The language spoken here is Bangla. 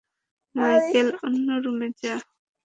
মাইকেল অন্য রুমে যা।